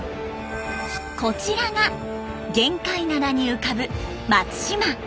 こちらが玄界灘に浮かぶ松島。